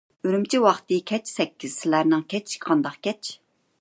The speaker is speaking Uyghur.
ئۈرۈمچى ۋاقتى كەچ سەككىز، سىلەرنىڭ كەچ قانداق كەچ؟